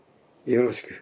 よろしく。